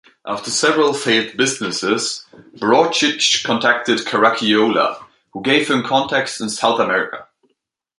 After several failed businesses, Brauchitsch contacted Caracciola, who gave him contacts in South America.